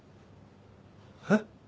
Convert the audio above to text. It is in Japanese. えっ？